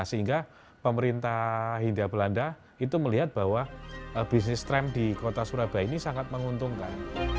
sehingga pemerintah hindia belanda itu melihat bahwa bisnis tram di kota surabaya ini sangat menguntungkan